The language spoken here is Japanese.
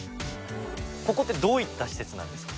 ここってどういった施設なんですか？